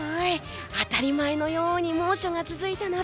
当たり前のように猛暑が続いた夏。